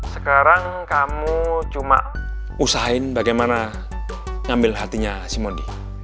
sekarang kamu cuma usahain bagaimana ngambil hatinya si mondi